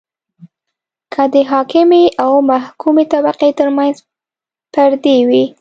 که د حاکمې او محکومې طبقې ترمنځ پردې وي.